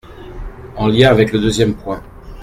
En lien avec le deuxième point.